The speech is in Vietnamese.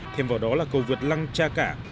thêm vào đó là cầu vượt lăng cha cả